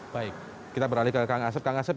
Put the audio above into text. baik kita beralih ke kang asep